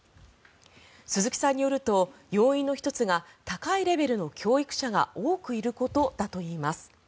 鈴木さんによると要因の１つが高いレベルの教育者が多くいることだといいます。